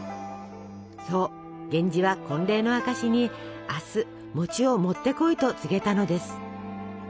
そう源氏は婚礼の証しに明日を持ってこいと告げたのです。